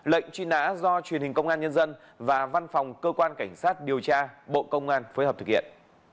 lệnh truy nã do truyền hình công an nhân dân và văn phòng cơ quan cảnh sát điều tra bộ công an phối hợp thực hiện